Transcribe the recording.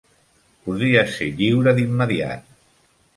Podries ser lliure d'immediat.